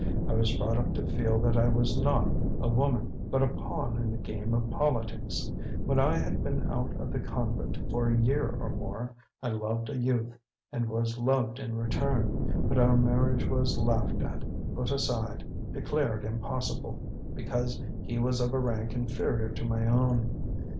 I was brought up to feel that I was not a woman, but a pawn in the game of politics. When I had been out of the convent for a year or more, I loved a youth, and was loved in return, but our marriage was laughed at, put aside, declared impossible, because he was of a rank inferior to my own.